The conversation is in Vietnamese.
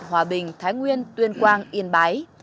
hòa bình thái nguyên tuyên quang yên bái